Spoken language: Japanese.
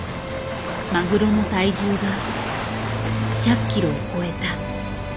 マグロの体重が１００ｋｇを超えた。